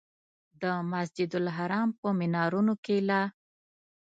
د مسجدالحرام په منارونو کې لا.